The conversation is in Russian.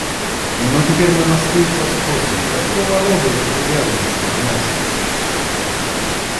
Но теперь мы настойчиво спросим: какого рода эти привязанности в массе?